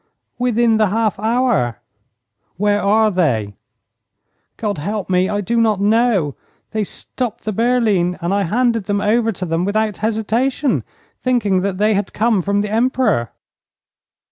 'Within the half hour.' 'Where are they?' 'God help me, I do not know. They stopped the berline, and I handed them over to them without hesitation, thinking that they had come from the Emperor.'